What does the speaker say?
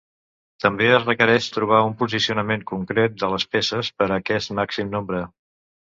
També es requereix trobar un posicionament concret de les peces per a aquest màxim nombre.